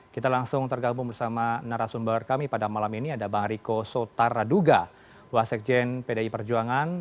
kita langsung tergabung bersama narasumber kami pada malam ini ada bang riko sotaraduga wasekjen pdi perjuangan